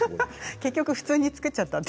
結局、普通に作っちゃった。